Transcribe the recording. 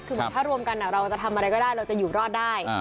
คือเหมือนถ้ารวมกันเราจะทำอะไรก็ได้เราจะอยู่รอดได้